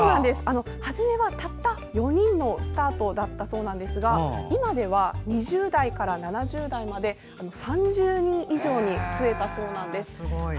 はじめは、たった４人のスタートだったそうですが今では２０代から７０代まで３０人以上に増えたそうです。